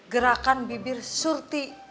gerakan bibir surti